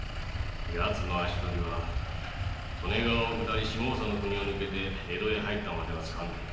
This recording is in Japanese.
やつは利根川を下り下総の国を抜けて江戸へ入ったまでは掴んでいる。